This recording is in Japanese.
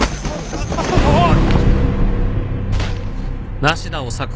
あっ。